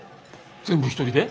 全部一人で？